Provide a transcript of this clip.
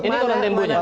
ini koran temponya